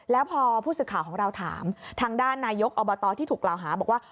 แล้วพอผู้สื่อข่าวของเราถามทางด้านนายกอบตที่ถูกกล่าวหาบอกว่า